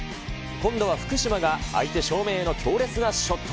今度は福島が相手正面への強烈なショット。